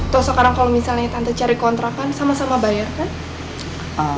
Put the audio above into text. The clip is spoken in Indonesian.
toh sekarang kalau misalnya tante cari kontrakan sama sama bayar kan